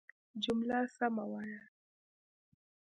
جمله سمه وايه!